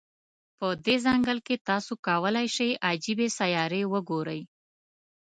په دې ځنګل کې، تاسو کولای شی عجيبې سیارې وګوری.